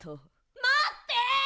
まって！